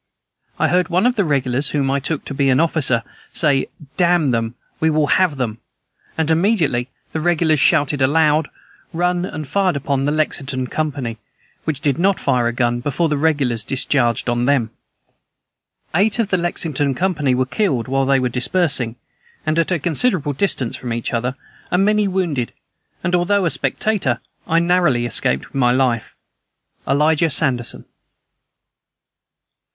I heard one of the regulars, whom I took to be an officer, say, "Damn them, we will have them;" and immediately the regulars shouted aloud, run and fired upon the Lexington company, which did not fire a gun before the regulars discharged on them. Eight of the Lexington company were killed while they were dispersing, and at a considerable distance from each other, and many wounded; and, although a spectator, I narrowly escaped with my life. "ELIJAH SANDERSON."